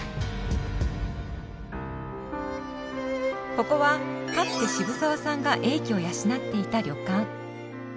ここはかつて渋沢さんが英気を養っていた旅館。